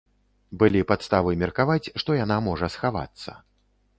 Былі падставы меркаваць, што яна можа схавацца.